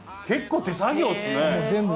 結構手作業ですね。